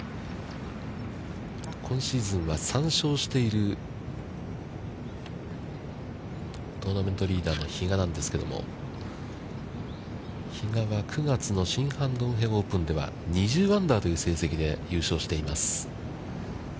今シーズンは３勝しているトーナメントリーダーの比嘉なんですけれども、比嘉は、９月２０アンダーという成績で優勝しています。